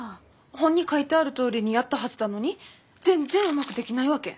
本に書いてあるとおりにやったはずだのに全然うまくできないわけ。